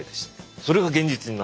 それが現実になった。